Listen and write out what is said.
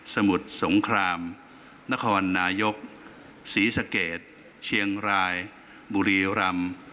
สมุทรสงครามนครนายกศรีสะเกดเชียงรายบุรีรำ